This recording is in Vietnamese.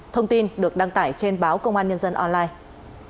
thông tin được đăng tải trên báo công an nhân dân online